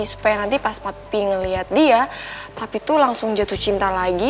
supaya nanti pas papi ngeliat dia tapi tuh langsung jatuh cinta lagi